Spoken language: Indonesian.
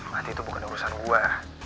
mati itu bukan urusan gua